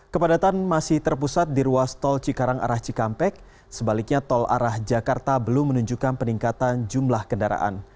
kepadatan masih terpusat di ruas tol cikarang arah cikampek sebaliknya tol arah jakarta belum menunjukkan peningkatan jumlah kendaraan